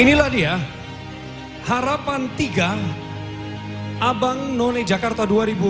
inilah dia harapan tiga abang none jakarta dua ribu dua puluh